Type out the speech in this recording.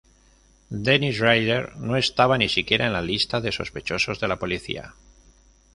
Dennis Rader no estaba ni siquiera en la lista de sospechosos de la policía.